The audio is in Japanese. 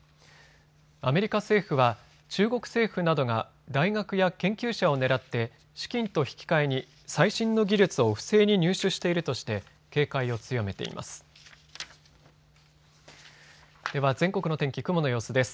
アメリカ政府は中国政府などが大学や研究者を狙って資金と引き換えに最新の技術を不正に入手しているとして警戒を強めています。